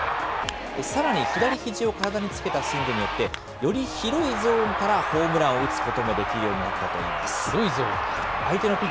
さらに左ひじを体につけたスイングによって、より広いゾーンからホームランを打つこともできるようになったと広いゾーン？